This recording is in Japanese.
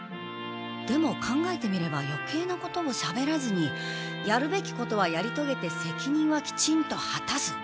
でも考えてみればよけいなことをしゃべらずにやるべきことはやりとげて責任はきちんとはたす。